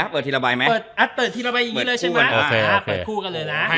เปิดทีละใบยังงี้เลยใช่ไหม